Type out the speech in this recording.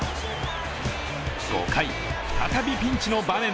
５回、再びピンチの場面。